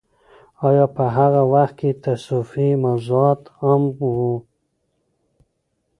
آیا په هغه وخت کې تصوفي موضوعات عام وو؟